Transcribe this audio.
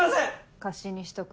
貸しにしとく。